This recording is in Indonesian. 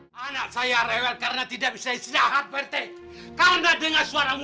minta maaf saja tidak cukup